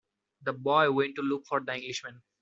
The boy went to look for the Englishman.